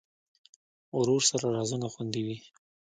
ورور سره رازونه خوندي وي.